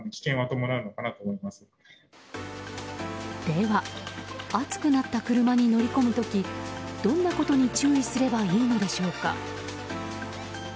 では暑くなった車に乗り込む時どんなことに注意すればいいのでしょうか。